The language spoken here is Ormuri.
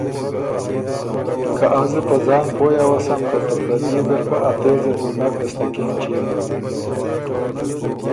که از بُو په ځان پویٛ اؤسم که ته پرديې ځرکۀ ا تېځ ال بُو نک ګستک اېنچيېن۔